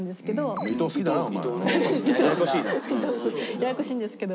ややこしいんですけど。